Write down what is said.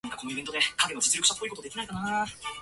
Also, six of the top ten global banks are MarkLogic customers.